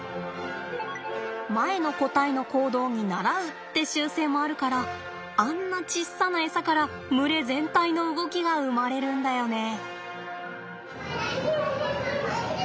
前の個体の行動に倣うって習性もあるからあんなちっさなエサから群れ全体の動きが生まれるんだよね。